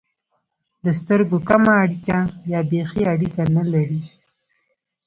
د سترګو کمه اړیکه یا بېخي اړیکه نه لري.